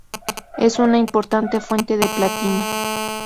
Es una importante fuente de platino.